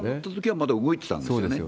まだ動いてたんですよね。